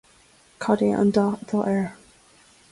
Cad é an dath atá air